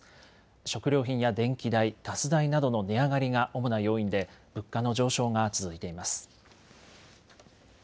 食料品や電気代、ガス代などの値上がりが主な要因で物価の上昇が続いています。